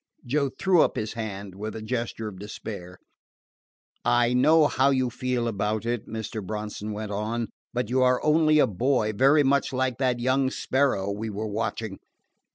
Joe threw up his hand with a gesture of despair. "I know how you feel about it," Mr. Bronson went on; "but you are only a boy, very much like that young sparrow we were watching.